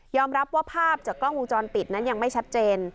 รับว่าภาพจากกล้องวงจรปิดนั้นยังไม่ชัดเจน